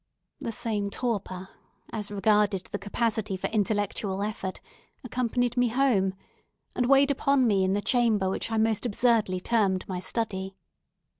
The same torpor, as regarded the capacity for intellectual effort, accompanied me home, and weighed upon me in the chamber which I most absurdly termed my study.